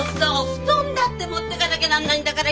布団だって持ってかなきゃなんないんだから。